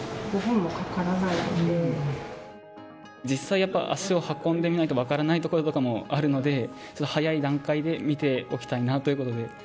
実際、足を運んでみないと分からないこととかもあるので早い段階で見ておきたいなということで。